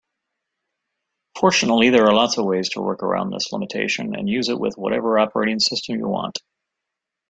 Fortunately, there are lots of ways to work around this limitation and use it with whatever operating system you want.